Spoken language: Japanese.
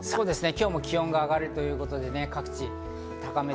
今日も気温が上がるということで各地高め。